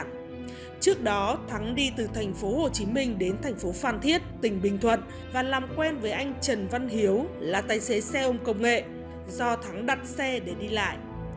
ngô đức thắng đi từ thành phố hồ chí minh đến thành phố phan thiết tỉnh bình thuận và làm quen với anh trần văn hiếu là tài xế xe ôm công nghệ do thắng đặt xe để đi lại